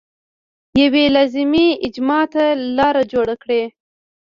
یوې لازمي اجماع ته لار جوړه کړي.